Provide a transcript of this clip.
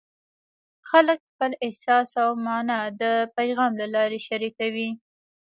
خلک خپل احساس او مانا د پیغام له لارې شریکوي.